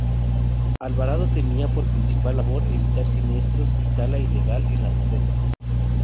Alvarado tenía por principal labor evitar siniestros y tala ilegal en la reserva.